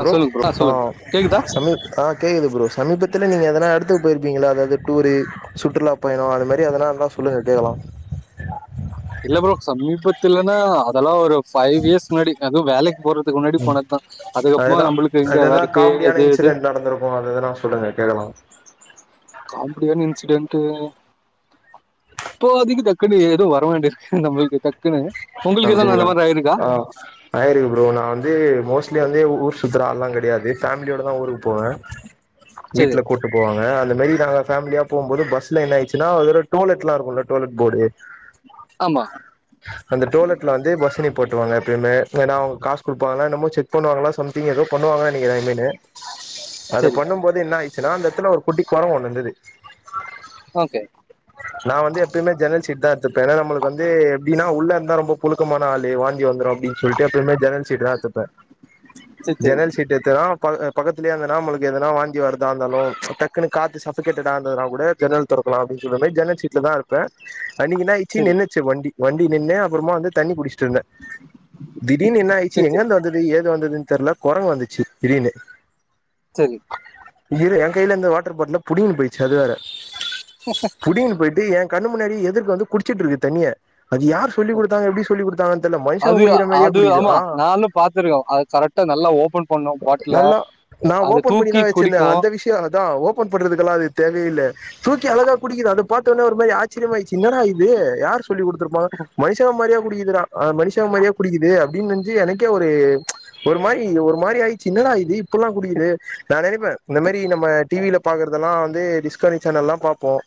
ஆ bro சொல்லுங்க ஆ சொல்லுங்க கேக்குதா சமீப் ஆ கேக்குது ப்ரோ சமீபத் துல நீங்க எதனா எடத்துக்கு போயிருப்பீங்கள அதாது டூரு சுற்றுலா பயணோ அது மாரி எதனாந்தா சொல்லுங்க கேக்கலா இல்ல ப்ரோ சமீபத்தில்லனா அதெல்லா ஒரு ப்ஃபைவ் இயர்ஸ் முன்னாடி அதுவ் வேலைக் போற்துக்கு முன்னாடி போனத்தா அதுக்கப்பமா அதுதா நம்புளுக்கு அது இங்க எதனா ஒர்க்கே காமெடியான இது இது இன்சிடென்ட் நடந்திருக்கு அது எதனா சொல்லுங்க கேக்கலா காம்டியான இன்சிடென்ட்டு இப்போதைக்கு டக்குனு எதூ வர வேண்டி நம்முள்க்கு டக்குனு அப்டிங்ளா ஆ ஆயிருக்கு ப்ரோ நா வந்து மோஸ்ட்லி வந்து எ ஊர் சுத்ர ஆள்ளா கெடையாது ப்ஃபேம்லியோடதா ஊருக்கு போவே சரி வீட்ல கூட்டு போவாங்க அ அந்த மேரி நாங்கல்லா ப்ஃபேமிலியா போம் போது பஸ்ல என்னாயிச்னா ஒரு தரவ டோலெட்லா இருக்கோலே டோலெட் போர்ட்டு ஆமா அந்த டோலெட்ல வந்து பஸ் நிப்பா ட்டுவாங்க எப்பயுமே, ஏனா அவங்க காசு குடுப்பாங்கலா என்னமோ செக் பண்ணுவாங்களா சம்திங் ஏதோ பண்ணுவாங்கனு நெனைக்கிற எப்பயுமே அது சரி பண்ணும் போது என்னாயிடு ச்சுனா அந்த எடத்துல ஒரு குட்டிக்கொரங்கு ஒண்ணு இருந்துது ஓகே நா வந்து எப்பயுமே ஜன்னல் சீ ட்தா எடுத்துப்பே என்னா நம்மளுக் கு வந்து எப்டின்னா உள்ள ரொம்ப புழுக்கமான ஆளு வாந்தி வந்துரு அப்டின்னு சொல்லிட்டு எப்பயுமே ஜன்னல் சீட்டுதா எடுத்துப்பே சரி சரி ஜன்னல் சீட் எடுத்துகினா ப பக்கத்துலேயே இருந்தனா நாம்மளுக்கு எதனா வாங்கி வருதா இருந்தாலும் டக்குன்னு காத்து சத்தம் கேட்டதுனா இருந்ததுனா கூட ஜன்னல் தொறக்கலாம் அப்படின்னு சொல்ற மாதிரி ஜன்னல் சீட்லதான் இருப்பேன் அன்னிக்கு என்னாச்சு சரி நின்னச்சு வண்டி வண்டி நின்னு அப்புறமா வந்து தண்ணி புடிச்ச இருந்தேன் திடீர்னு என்ன ஆயிருச்சு சரி சரி எங்கேயிருந்து வந்தது எங்கே இருந்து வந்ததுன்னு தெரியல குரங்கு வந்துச்சு திடீர் னு சரி இரு என் கையில இருந்த வாட்டர் பாட்டில புடிங்கின்னு போயிடுச்சு அது வேற புடுங்கினு போயிட்டு என் கண்ணு முன்னாடி எதிர்க வந்து குடிச்சிகிட்டு இருக்கு தண்ணிய அது சொல்லி ஓகே. கொடுத்தாங்க எப்படி சொல்லி கொடுத்தாங்கனு தெரில மனிஷங்க அது குடிக்கிற மாதிரியே அது குடிக்குது ஆமா ஆஹ் நானு பாத்துருக்கே அது கரெக்டா நல்லா ஓபன் பண்ணு பாட்டில நல்ல நான் அது ஓபன் பண்ணி தூக்கி தான் வெச்சிருந்தேன் குடிக்கு அந்த விஷயம் அதான் ஓபன் பண்றதுக்கு எல்லாம் தேவையில்லை தூக்கி அழகா குடிக்குது அதை பார்த்த உடனே ஒரு மாதிரி ஆச்சரியம் ஆயிடுச்சு இன்னடா இது யாரு சொல்லி கொடுத்துருப்பாங்க மனுஷங்க மாதிரியே குடிக்குது டா அது மனுஷங்க மாதிரியே குடிக்குது அப்படின்னு நினைச்சு எனக்கே ஒரு ஒரு மாதிரி ஒரு மாதிரி ஆயிடுச்சி என்னடா இது இப்படியல்லாம் குடிக்குது நான் நினைப்பேன் இந்த மாதிரி நம்ம டிவில பாக்கறதெல்லாம் வந்து டிஸ்கவரி சேனலெல்லாம் பாப்போம்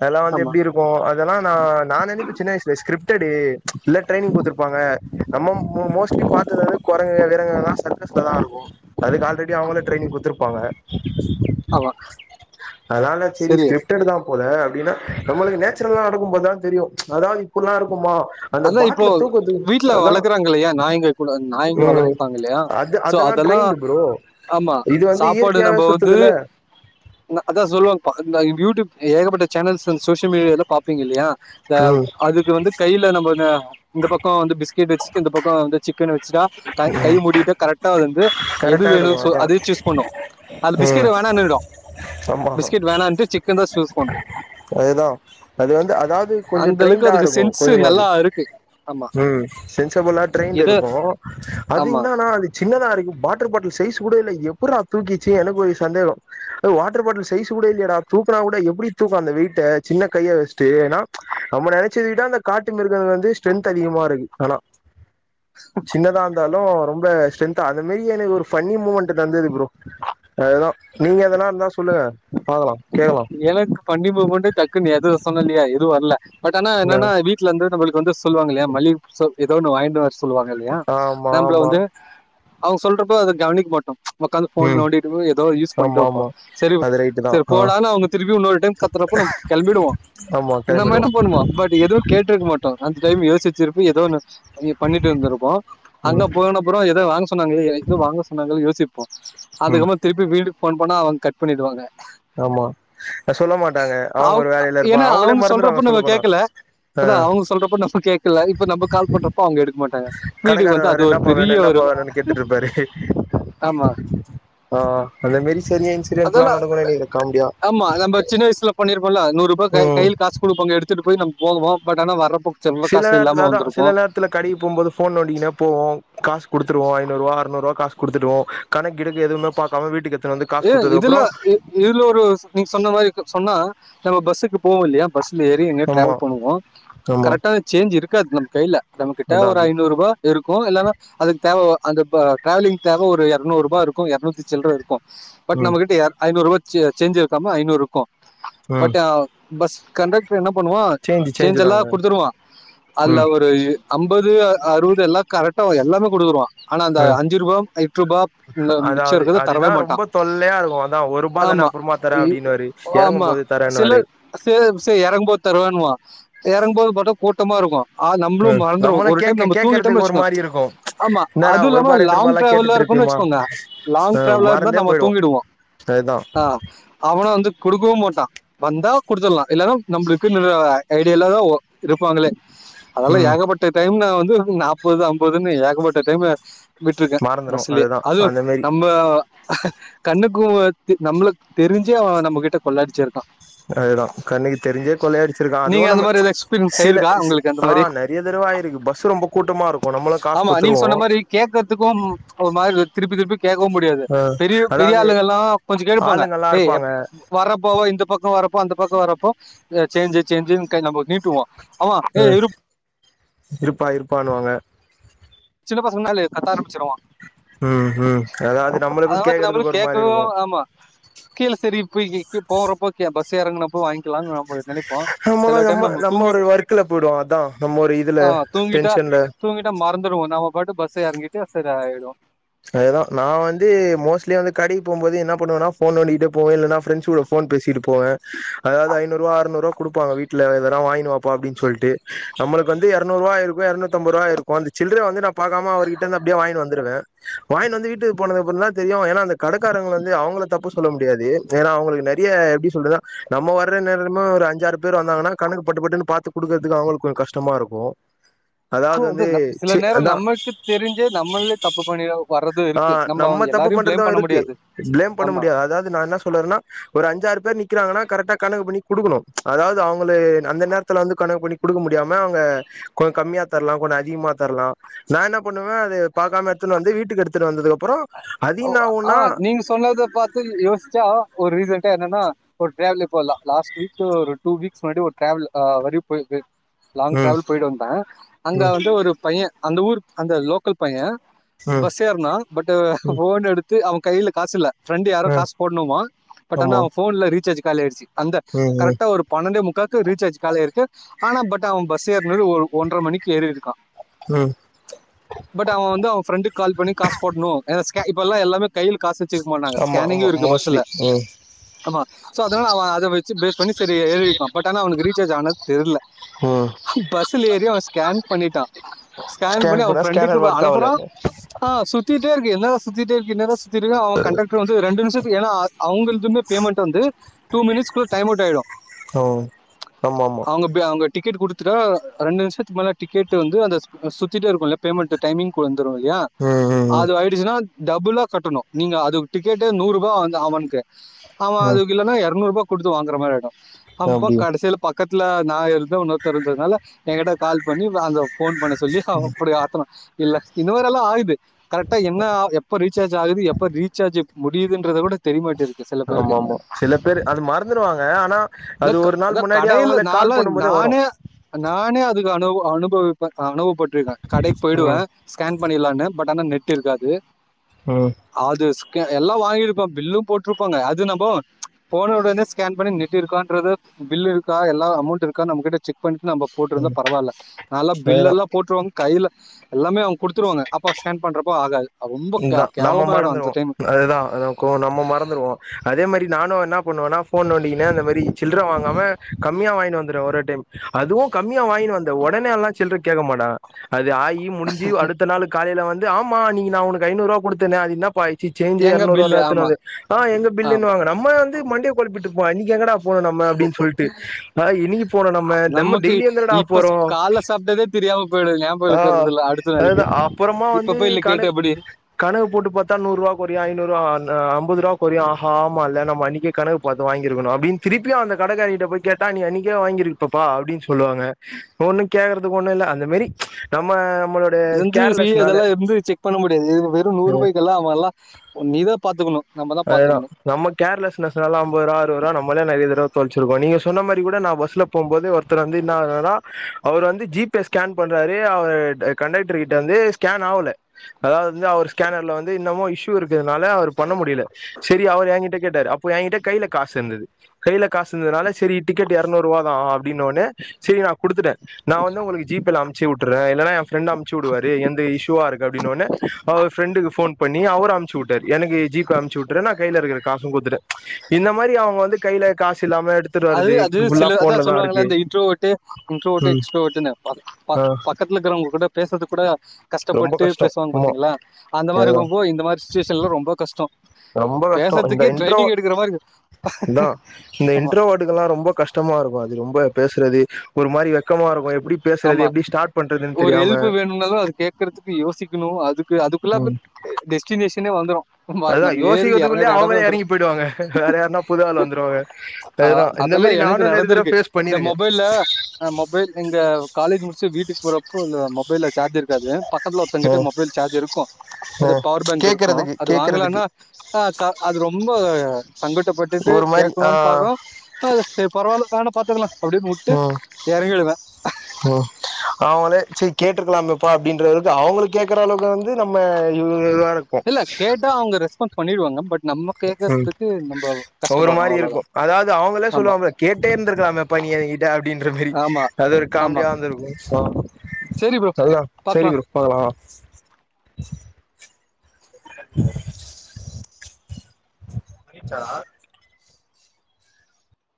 அதெல்லாம் வந்து ஆமா எப்படி இருக்கும் இதெல்லாம் நான் நான் நடிச்ச சின்னவயசுல ஸ்கிரிப்ட் இல்ல ட்ரெய்னிங் குடுத்துருப்பாங்க நம்ம மோ மோஸ்ட்லி பாத்தது குரங்குங்கதான் அது சர்க்கஸ்ல தான் இருக்கும் அதுக்கு ஆல்ரெடி இது அவங்களே ட்ரெய்னிங் குடுத்து ப்பாங்க ஆமா அதனால சரி ஸ்கிரிப்ட் எழுதலாம் போல அப்படின்னா நம்மளுக்கு ஒரு அப்படினா நம்மளுக்கு நேச்சுரலா நடக்கும் போதுதான் தெரியும் அதாவது இப்படி எல்லாம் இருக்கும் க்குமா அதான் இப்போ வீட்ல வளர்க்குறாங்கிபக்கத்துலல்லையா நாய்ங்க கூட நாயங்க ம் வளர்ப்பாங்க இல்லையா அது சோ அதெல்லா அதெல்லாம் ட்ரெயின்டு ப்ரோ ஆமா இது வந்து சாப்பாடு இயற்கையாவே நம்ப வந்து சுத்துதுல அதான் சொல்லுவாங்க ஏகப்பட்ட சேனல்ஸ் அண்ட் சோஷியல் மீடியால பார்ப்பீங்க இல்லையா தே ம் அதுக்கு வந்து கையில் நம்ம வந்து இந்த பக்கம் வந்து பிஸ்கெட் வச்சு இந்த பக்கம் வந்து சிக்கன் வச்சுட்டா கை கை மூடிட்டு கரெக்டா வந்து எது கரெக்டா எடுக்கு வேணும் சொ அதா அதுவே சூஸ் பண்ணும் அது பிஸ்கெட் ம் வேணானசொல்லிடும் பிஸ்கெட் வேணான்டு சிக்கன் சூஸ் பண்ணும் அதுதான் அது வந்து அதாவது கொஞ்சம் அந்த அளவுக்கு ட்ரெய்ண்டா அதுக்கு இருக்கும் சென்ஸ் அதே மாரி நல்லா இருக்கு. ஆமா. ம் சென்சபிளா ட்ரெய்ண்ட் எது இருக்கும் அது ஆமா. இன்னானா அது சின்னதாருக்கும் வாட்டர் பாட்டில் சைஸ் கூடைய்ல எப்புற்றா தூக்கிருச்சு எனக்கு ஒரு சந்தேகம் அது வாட்டர் பாட்டில் சைஸ் கூட இல்லயடா தூக்குனா கூட எப்டி தூக்கும் அந்த வெயிட்டை சின்ன கையை வச்சிட்டு ஏன்னா ச் நம்ம நெனைச்சத விட அந்த காட்டு மிருகங்கள் வந்து ஸ்ட்ரென்த் அதிகமா இருக்கு ஆனா சின்னதா இருந்தாலு இன்னு ரொம்ப ஸ்ட்ரென்தா அந்த மாரி எனக்கு ஒரு ஃபன்னி மூமெண்ட் தந்தது ப்ரோ அதுதா நீங்க எதனாருந்த சொல்லுங்க பாக்கலா கேக்கலா எனக் ஃபன்னி மூமண்டு டக்குனு எது சொல்னலியா இல்ல எதுவு வர்ல பட் ஆனா ஆ என்னானா வீட்ல இருந்து நம்மளுக் வந்து சொல்லுவாங்கல்லயா மல்லிகப்பு சோப்பு ஏதோ ஒன்னு வாங்கிட்டு வாஸ் சொல்லுவாங்கல்லயா ஆமா நம்பள ஆமா வந்து அவுங்க சொல்றப்போ அத கவனிக்க மாட்டோ ச் உக்காந்து போன் ம் நோண்டிட்டு ஏதோ யூஸ் பண்ணிட்டு ஆமா வப்போ ஆமா சேரி அது ரைட்டு தா சேரி ஆ போடானு அவுங்க ரிவி இன்னோரு டைம் கத்துரப்போ நம் கிளம்பிடுவோ ஆமா நம்ம கெளம்பிடுவோ என்னா பண்ணுவோ பட் எதுவு கேட்டுருக்க மாட்டோ அந்த டைம் யோசிச்சு [unintelligible] ஏதோ ஒண்ணு பண்ணி பண்ணிட்டு வந்திருப்போ அங்க ம் போன அப்பறோ எதோ வாங்க சொன்னாங்களே ஏதோ வாங்க சொன்னாங்கனு யோசிப் ம் அதுக்கப்பறோ திருப்பி வீடு ஃபோன் பண்ணா அவுங்க கட் பண்ணிடுவாங்க ஆமா சொல்ல மாட்டாங்க அவங்க அவுங் ஒரு வேலையில இருப்பா ஏன்னா அவங்களே அவுங்க மறந்துடுவாங்க சொல்றப்ப சொல்ல நம்ம போனா கேட்கல அதா அவுங்க சொல்றப்ப நம்ம கேக்கல இப்ப நம்ம கால் பண்றப்ப அவுங்க எடுக் கடக்காரர் வேற என்னாப்பா வேணு என்னாப்பா வேணுனு கேட்டுட்டுருப்பாரு ஆமா ஆஹ் அந்த மாரி சேரிய இன்சிடென்ட்ல்லா அதெல்லாம் நடக்கு [unintelligible] கமெடியா ஆமா நம்ம சின்ன வயசுல பண்ணிருபோல இப்போ கை ம் கையிலே காசு குடுப்பாங்க எடுத்துட்டு போய் நமக் போகுவோ பட் ஆன வர்ரப் சில நேரத்துலத சில நேரத்துல கடைய்க்கு போம் போது போன் நோட்டிக்கின்னே போவோ காசு குடுத்துருவோ ஐநூறுவா அறுநூறுவா காசு குடுத்துடுவோ கணக்குகிணக்கு எதுவுமே பாக்காம வீட்டுக்கு எடுத் ஏன் இதுல ஏ இதுல ஒரு நீங்க சொன்ன மாரி இருக்கு சொன்னா நம்ம பஸ்சுக்கு போவோ இல்லயா பஸ்ல ஏறி எங்கயாது ஆமா டிராவல் பண்ணுவோ ஆமா கரெக்டா சேஞ்ச் இருக் க்காது நம்ம கைல நம்ம கிட்ட அதா ஒரு அது ஐநூறு ரூபா இருக்கு இல்லன்னா அதுக் தேவவ அந்த இப்ப டிராவலிங் தேவ ஒரு எரநூறுபா இருக்கு எரநூத்தி சில்ற இருக்கு பட் ம் நம்ம கிட்ட எர ஐநூறுபா சே சேஞ்ச் இருக்காம ஐநூறு இக்கு ம் பட்டு பஸ் கண்டக் என்ன பண்ணுவான் சேஞ்சு சேஞ்ச் சேஞ்சு தாங்க எல்லாம் கொடுத்துருவான் அதுல ம் ஒரு அம்பது அறுபது எல்லாம் கரெக்டா எல்லாமே கொடுத்துருவான் ஆனா அந்த ஆ அஞ்சு ரூபாய் எட்டு ரூபாய் மிச்சம் அதாவது இருக்கறத அதுதா தரவே ரொம்ப மாட்டான் தொல்லையா இருக்கும் அதான் ஒரு ரூபா தானே ஆமா அப்புறமா தரேன் இ- அப்படின்னுவாரு இறங்கும் ஆமா போது தரேன்னுவாரு தர வேணமா [unintelligible] இறங்கும்போது பாத்தா கூட்டமா இருக்கும் ஆ நம்மளும் மறந்துருவோம் நம்மளு ஒரு டைம் கேக்க நம்ம தூங்கிட்டோம்னு கேக்கறதுக்கு ஒரு வச்சுக்கோ மாரி இருக்கு ஆமா என்னடா அது இல்லாம ஒருபா ரெண்டு லாங் ரூபாலா டிராவல்ல இருக்கும்ன்னு கேட்டுட்ருப்பியமா வச்சுக்கோங்க லாங் ஆ டிரவா இருந்தா மறந்தே நம்ம போயிடுவோ விடுவான் அதுதா ஆ அவனே வந்து குடுத் கொடுக்கவும் மாட்டான் வந்தா கொடுத்துடலாம் இல்லை னா நம்மளுக்கு நிறையா ஐடியால்லாதான் இருப்பாங்களே அதெல்லாம் ம் ஏகப்பட்ட டைம் நான் வந்து நாப்பது அம்பதுன்னு ஏகப்பட்ட விட்டுருக்கேன் மறந்துருவோ பஸ்லயே அதுதா அதுவும் அந்த மாரி நம்ம கண்ணுக்கும் நம்மளுக்கு தெரிஞ்சே அவன் நம்ம கிட்ட கொள்ளையடிச்சிரான் அதுதா கண்ணுக்கு தெரிஞ்சே கொள்ளையடிச்சிருக்கா நீங்க அதுவு அந்த நம்ம மாதிரி எதாவது எக்ஸ்பீரியன்ஸ் சில ஆயிருக்கா சி உங்களுக்கு அந்த ஆ மாதிரி நெறைய தடவ ஆயிருக்கு பஸ்ஸு ரொம்ப கூட்டமா இருக்கு நம்மலா காசு ஆமா நீங்க குத்துருவோ சொன்ன மாதிரி கேக்கவு முடியாது ஆ அது பெரிய அதாவது ஆளுகெல்லா கொஞ்ச கேட்டுப்பாங்க ஆளுங்கல்லா ஏ இருப்பாங்க வர்றப்ப இந்த பக்க வரப்போ அந்த பக்க வரப்போ சேஞ்சு சேஞ்சுன்னு கை நம்ம நீட்டுவோ அமா ஏ ஆ இரு இருப்பா இருப்பானுவாங்க சின்ன பசங்கனாலே கத்த ஆரம்பிச்சிருவா ம் ம் அதா அது நம்மளுக்கு கேக்கறதுக்கு ஒரு மாரி இருக்கு கீழ சரி இப்ப ய போறப்போ பஸ் எறங்குனப்போ வாங்கிக்லானு நம்மளு நம்ம நம்ம ஒரு ஒர்க்குல போயி்டுவோ அதா நம்ம ஒரு இதுல ஆ, தூங்கிட்டா டென்ஷன்ல தூங்கிட்டா நம்ம பாட்டுக்கு பஸ் எறங்கிட்டு அப்செட் ஆயிரோ அததா நா வந்து மோஸ்ட்லி வந்து கடைக்கு போகும்போது என்னா பண்ணுவன்னா ஃபோன் நோண்டிகிட்டே போவே இல்லனா ஃப்ரெண்ட்ஸ் கூட ஃபோன் பேசிட்டு போவே அதாது ஐநூறுவா ஆறுநூறுவா குடுப்பாங்க வீட்ல இதெனா வாங்கிட்டு வாப்பா அப்படின்னு சொல்ட்டு நம்மளுக்கு வந்து எரநூறுவா ஆயிருக்கு எரநூத்தம்பதுருவா ஆயிருக்கு அந்த சில்ரய வந்து நா பாக்காம அவர்கிட்ட இருந்து அப்டியே வாங்கிட்டு வந்துருவே வாங்கிட்டு வந்து வீட்டுக்கு போனதுகப்புறமாத் தா தெரியு ஏன்னா அந்த கடைக்காரங்க வந்து அவங்கள தப்பு சொல்ல முடியாது ஏன்னா அவங்களுக்கு நிறைய எப்படி சொல்றது நம்ம வர்ற நேரமா ஒரு அஞ்சாறு பேர் வந்தாங்கன்னா கணக்கு பட்டுப்பட்டுன்னு பாத்து குடுக்குறதுக்கு அவங்களுக்கு ஒரு கஷ்டமா இருக்கு அதாவது ஹ வந்து சில சி நேர அதா நம்மளுக்கு தெரிஞ்சே நம்மளே தப்பு பண்ணிரோ அஹ் நம்ம தப்பு பண்றதுலா இருக்கு முடியாது. பிளேம் பண்ண ஆமா. முடியாது அதாவது நா என்ன சொல்ல வரேன்னா ஒரு அஞ்சாறு பேரு நிக் கிறாங்கன்னா கரெக்டா கணக்கு பண்ணி குடுக்கணு அதாவது அவுங்களே அந்த நேரத்துல வந்து கணக்கு பண்ணி குடுக்க முடியாம அவுங்க கொஞ்ச கம்மியா தரலா கொஞ்ச அதிகமா தரலா நா என்ன பண்ணுவே அத பாக்காம எடுத்துனு வந்து வீட்டுக்கு எடுத் துட்டு வந்ததுக்கு அப்புற உ அஹ் நீங்க சொன்னத பார்த்து யோசிச்சா ஒரு ரீசன் என்னன்னா ஒரு டிராவல்லு போலா லாஸ்ட் வீக் ஒரு டூ வீக்ஸ் முன்னாடி ஒரு டிராவல் அஹ் வாட்டி போய்ட்டு லாங் ம் டிராவல் போயிட்டு வந்த அங்க ம் வந்து ஒரு பைய அந்த ஊர் அந்த லோக்கல் பைய ம் பஸ் ஏறுனா பட்டு ம் ஃபோனை எடுத்து அவ கையில காசு இல்லை ஃப்ரெண்ட் யாரோ ம் காசு போடணுமா பட் ஆனா ஆமா அவன் ஃபோன்ல ரீசார்ஜ்ஜு காலியாயிடுச்சு அந்த ம் ம் கரெக்டா ஒரு பன்னெண்டா முக்கா கு ரீசார்ஜ் காலியா இருக்கு ஆனா பட் அவ பஸ் ஏறுனது ஒரு ஒன்ற மணிக்கு ஏறி இருக்கா ம் பட் அவன் வந்து அவன் ஃப்ரெண்டுக்கு கால் பண்ணி காசு போடணு ஸ்கைப் இப்பல்லா எல்லாமே கையில காசு வச்சிருக்க மாட்டாங்க ஆமா ஆமா ஸ்கேனிங்கும் இருக்கு பஸ்ல மோஸ்ட்லி ம் ஆமா சோ அதனால அவ அதை வச்சு பேஸ் பண்ணி செரி ஏறி இருப்பா பட் ஆனா அவனுக்கு ரீசார்ஜ் ஆனது தெர்ல ம் பஸ்ல ஏறி அவன் ஸ்கேன் பண்ணிட்டான் ஸ்கேன் பண்ணி அவன் பண்ணா ஃப்ரண்டுக்கு ஸ்கேனர் ஒர்க் ஆவல அனுப்புறான் அஹ் சுத்தி என்னடா சுத்திட்டே இருக்கு இந்நேர ட்டு இருக்கு அவன் கண்டக்டரு வந்து ரெண்டு நிமிஷ ஏன்னா அது அவுங்களுக்குமே பேமெண்ட் வந்து டூ மினிட்ஸ்குள்ள டைம் அவுட் ஆயிடும் ம் ஆமா ஆமா அவுங்க பே அவுங்க டிக்கெட் குடுத்து துட்டா ரெண்டு நிமிஷத்துக்கு மேல டிக்கெட்டு வந்து அந்த சுத் சுத்திட்டே இருக்கும்ல பேமெண்ட்டு டைமிங் கூட தருவோ இல்லையா ம் ம் ம் அது ஆயிடுச்சுன்னா டபுள்லா கட்டணு நீங்க அதுக்கு டிக்கெட்டே நூறு ருபா அந்த அவனுக்கு ஆமா ம் அதுக்கு இல்லன்னா எரநூறு ரூபா குடுத்து வாங்குற மாரி ஆயிடு அப்போ அப்டியா கடைசியில பாக் பக்கத்துல நா எழு இன்னொருத்தர் இருந்ததுனால எங்கிட்ட கால் பண்ணி அஹ் அந்த ஃபோன் பண்ண சொல்லி அப்புடி ஆத்தர இல்ல இந்த மாதிரி எல்லா ஆகுது கரெக்டாக என்ன முடியுதுன்றதை விட தெரியமாட்டேங்குது ஆமா ஆமா சில பேர் அது மறந்துடுவாங்க ஆனா இந்த அது க- ஒரு நாள் அதான் முன்னாடியே கடையில் அவுங்களே கால் பண்ணு நான்லாம் போதே வரு நானே நானே அதுக்கு அனுபவ அனுபவிப்ப அனுபவப்பட் இருக்கே கடைக்கு போயிடுவே ம் ஸ்கேன் பண்ணிடலான்னு பட் ஆனா நெட் கேல்காது ம் ஆல் திஸ் எல்லாம் வாங்கிருப, பில்லு போட்டுருப்பாங்க அது நம்ப ப்ச் போன உடனே ஸ்கேன் பண்ணி நெட் இருக்கான்றத பில் இருக்கா எல்லா அமௌன்ட் இருக்கா நமகிட்ட செக் பண்ணி நம்ப போட்ருந்தா ம் பரவால்ல நல்லா பில்ல அதேதா எல்லா போட்டுருவாங்க கைய்ல எல்லாமே அவங் குடுத்துருவாங்க அப்போ ஸ்கேன் போ ஆகாது ரொம்ப கே இதா நம்ம கேவலமாயிடும் அந்த மறந்துடுவோ டைம். அதுதா அது நம்ம மறந்துடுவோ அதே மாதிரி நானு என்னா வொன்னொன்னா போன் நோன்டிகுனே அந்த மாரி சில்ர வாங்காம கம்மியா வாங்கினு வந்துடுவ ஒரு ஒரு டைம் அதுவு கம்மியா வாங்கினு வந்த உடனேல்லா சில்ற கேட்க மாட்ட அது ஆயி முடிஞ்சு அடுத்த நாள் காலையில வந் இது ஆமா நீங்க நா அவனுக் ஐநூறுவ குடுத்தனே அது இன்னா பாய் ச்சு சேஞ்சு எங்க இரநூறுபா பில்லு? தா எடுத்துனு ஆமா, வந்து ஆ எங்க ஆமா. பில்லனுவாங்ங நம்ம வந்து மண்டையை கொழப்பிட்டு வங்கெங்கடா போன நம்ம அப்டினு சொல்ட்டு நா இன்னைக்கு போனோ நம்ம நம்ம நமக்கு டய்லியு தானடா இப்ப ஸ் போறோ காலைல சாப்பிட்டதே தெரியாம போயிடும். ஞாபகம் ஆ இருக்கிறதில்ல அடுத்த அதுதா நாளைக்கு. அப்புறமா இப்ப வந்து போய் இல்ல கேட்டு கணக் எப்படி? கணக்கு போட்டு பாத்தா நூறுபா கொறையுற ஐநூறுபா அ அன் அம்பது ரூபா கொறையு ஆமால நம்ம அன்னிக்கே கணக்கு பாத்து வாங்கிருக்கணு அப்டின்னு திருப்பியு அந்த கடக்காங்கிட்ட போய் கேட்டா நீ அன்னிக்கே வாங்கியிருக்ப்பப்பா அப்டின்னு சொல்லுவாங்க ஒன்னு கேக்குறதுக்கு ஒண்ணு இல்ல அந்த மாரி நம்ம நம்மளோட இது வந்து சி கேர்லெஸ்னால அதெல்லா இருந்து செக் பண்ண முடி இது வெறு நூறுபாய்க்கெல்லா அவல்லா நீதா பாத்துக்கணு அதேதா நம்ம கேர்லெஸ்னஸ்னால அம்பதுருவா அறுவதுருவா நம்மளே நிறைய தடவ தொலைச்சிருக்கோ நீங்க சொன்ன மாரி கூட நா பஸ்ல போம்போது ஒருத்தர் வந்து இன்னானா அவர் வந்து ஜி பே ஸ்கேன் பண்றாரு அவர் கண்டக்டருகிட்ட வந்து ஸ்கேன் ஆவல அதாவது வந்து அவர் ஸ்கேனர்ல வந்து என்னமோ இஷ்யூ இருக்கனால அவர் பண்ண முடிய சரி அவர் எங்கிட்ட கேட்டாரு அப்ப எங்கிட்ட கைல காசு இருந்தது கையில காசு இருந்ததுனால சரி டிக்கெட் இரநூறுவா தான் ஆவும் அப்படின்னுடனே சரி நான் குடுத்துட்டேன். நான் வந்து உங்களுக்கு ஜீப்பேல அம்சி வுட்டுறேன் இல்லன்னா என் ஃப்ரெண்ட் அமுச்சு விடுவாரு எந்து இஷூுவா இருக்கு அப்படின்னவுனுே அவர் ஃரெண்டுக்கு போன் பண்ணி அவரு அமுச்சி விட்டாரு எனக்கு ஜீப் அமுச்சி வுட்டுறே நா கைய்ல இருக்கிற காசு குத்துட்டே ப்ச் இந்த மாரி அவங்க வந்து கைல காசு இல்லாம எடுத்துட்டு அது வருது அது ஃபுல்லா சில அதா ஃபோன்ல தா சொல்லுவாங்கள இருக்கு இந்த இன்ட்ரோஓட்டு இன்ட்ரோஓட்டு ம் எக்ஸ்ட்ரோ ஓட்டுன்னு ஆ பக் பக்கத்துல இருக்கிறவங்க கூட பேசறதுக்கு கூட ரொம்ப கஷ்டப்பட்டு கஷ்டோ பேசுவாங்க ஆமா பாத்தீங்களா அந்த மாரி அதேதா இருக்கும்போ இந்த மாரி சுச்சுவேஷன்ல ரொம்போ கஷ்ட ரொம்ப கஷ்ட இந்த இன்ட்ரோ மாதிரி இருக்கு. இந்தா இந்த ஆமா இன்ட்ரோவர்ட் இதெல்லா ரொம்ப கஷ்டமா இருக்கு அது ரொம் ப பேசுறது ஒரு மாரி வெக் வெக்கமா இருக்கு எப்டி பேசுறது ஆமா எப்டி ஸ்டார்ட் பண்றதுன்னு ஒரு தெரியாம ஹெல்ப் வேணும்னாலும் அது கேட்கறதுக்கு யோசிக்கணும் அதுக்கு அதுக்குள்ள ம் டெஸ்டினேஷனே வந்துரு ஆமா அதுதா நம்ம ஏறி எறங்கற யோசிக்கிறதுக்குள்ளயே எடமே அவங்களே வந்துரு எறங்கி போயிடுவாங்க வேற யாருன்னா புது ஆள் வந்துருவாங்க ஆ அதுதா இந்த அதெல்லா மாரி எனக்கு நானு நெறைய தடவ நடந்திருக்கு ஃபேஸ் இந்த பண்ணிருக்கே மொபைல்ல அ மொபைல் தவ காலேஜ் முடிச்சு வீட்டுக்கு போறப்போல மொபைல்ல சார்ஜே இருக்காது. பக்கத்துல ஒருத்தங்கிட்ட ம் மொபைல் சார்ஜ் இருக்கு அது ம் பவர் பேங்க் இருக்கு கேக்குறதுக்கு அது வாங்கலானா கேக்குறதுக்கு ஆ க அது ரொம்போ சங்கட்டப்பட்டுட்டு ஒரு மாரி ஆ கேட்கலாம் பாக்குறோ அத சரி பரவால்ல வேணா பாத்துக்கலா அப்டியே மூட்டு ம் எறங்கிழுவ ம் அவங்களே சரி கேட்டிருக்கலாமப்பா அப்படின்றவுக்கு அவங்கள கேக்குற அளவுக்கு வந்து நம்ம இல் இல்ல கேட்டா அவங்க ரெஸ்பான்ஸ் பண்ணிடுவாங்க பட் நம்ம ஹ்ம் கேக்கறதுக்கு நம்ப சோ ஒரு கஷ்டப்படுறோ மாரி அவ்ளோதா இருக்கு அதாவ்து அவங்கள ஆமா சொல்லுவாங்க கேட்டே இருந்திருக்கலாம்பா நீ எங்கிட்ட அப்படின்ற மாரி ஆமா அது ஒரு ஆமா காமெடியா வந்திருக்கும் சரி ப்ரோ அதான் பாக்கலா சரி ஃப்ரோ பாக்கலா [unintelligible]